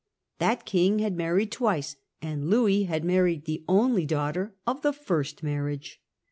That king had married twice, and Louis had married the only daughter of the first marriage.